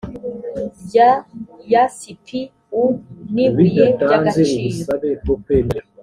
rya yasipi u n ibuye ry agaciro